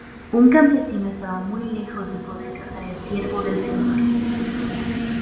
Un campesino estaba muy lejos de poder cazar el ciervo del señor.